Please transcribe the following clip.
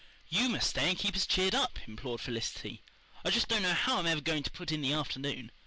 "YOU must stay and keep us cheered up," implored Felicity. "I just don't know how I'm ever going to put in the afternoon.